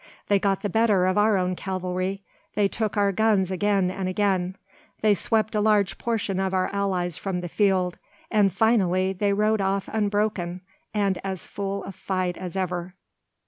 They got the better of our own cavalry, they took our guns again and again, they swept a large portion of our allies from the field, and finally they rode off unbroken, and as full of fight as ever.